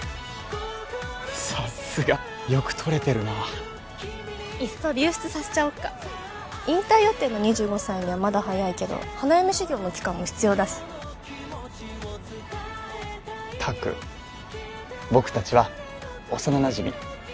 さすがよく撮れてるないっそ流出させちゃおっか引退予定の２５歳にはまだ早いけど花嫁修業の期間も必要だしったく僕達は幼なじみ